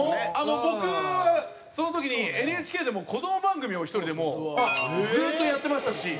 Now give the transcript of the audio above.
僕はその時にＮＨＫで子ども番組を１人でもうずっとやってましたし。